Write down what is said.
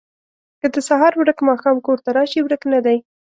ـ که د سهار ورک ماښام کور ته راشي ورک نه دی